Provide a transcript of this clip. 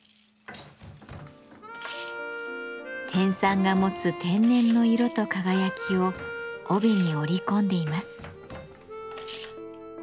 天蚕が持つ天然の色と輝きを帯に織り込んでいます。